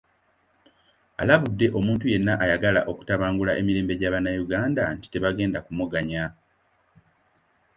Alabudde omuntu yenna ayagala okutabangula emirembe gya Bannayuganda nti tebagenda kumuganya.